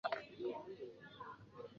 默泽站正前方设有社会车辆停车场。